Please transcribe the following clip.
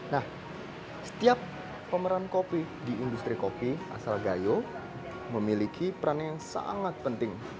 nah setiap pemeran kopi di industri kopi asal gayo memiliki peran yang sangat penting